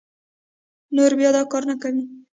نور بيا دا کار نه کوي